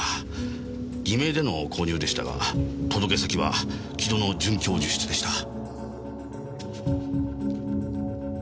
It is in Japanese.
偽名での購入でしたが届け先は城戸の准教授室でした。